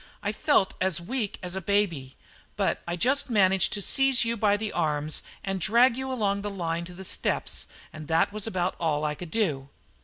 I felt as weak as a baby, but I just managed to seize you by the arms and drag you along the line to the steps, and that was about all I could do."